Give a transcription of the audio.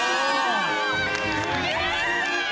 やった！